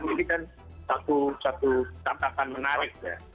ini kan satu tangkapan menarik ya